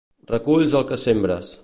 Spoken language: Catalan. Reculls el que sembres